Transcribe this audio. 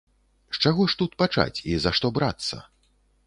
З чаго ж тут пачаць і за што брацца?